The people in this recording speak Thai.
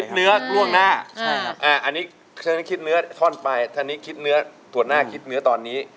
เนื้อล่วงหน้าอันนี้คิดเนื้อท่อนไปทางนี้คิดเนื้อถั่วหน้าคิดเนื้อตอนนี้